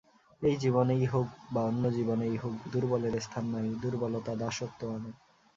এই জীবনেই হউক বা অন্য জীবনেই হউক দুর্বলের স্থান নাই, দুর্বলতা দাসত্ব আনে।